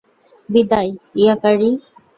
বিদায়, ইয়াকারি।